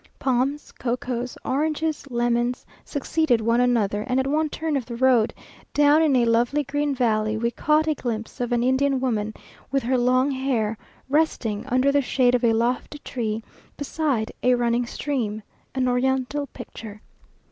Palms, cocoas, oranges, lemons, succeeded one another, and at one turn of the road, down in a lovely green valley, we caught a glimpse of an Indian woman, with her long hair, resting under the shade of a lofty tree beside a running stream an Oriental picture.